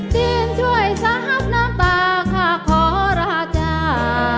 จีนช่วยทราบน้ำตาข้าขอราจา